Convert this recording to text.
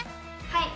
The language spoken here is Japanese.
はい！